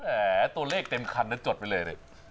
แหมตัวเลขเต็มคันนะจดไปเลยเนี่ย